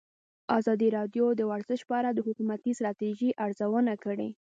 ازادي راډیو د ورزش په اړه د حکومتي ستراتیژۍ ارزونه کړې.